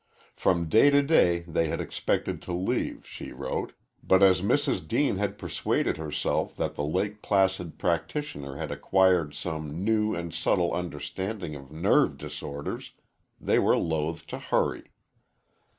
From day to day they had expected to leave, she wrote, but as Mrs. Deane had persuaded herself that the Lake Placid practitioner had acquired some new and subtle understanding of nerve disorders, they were loath to hurry.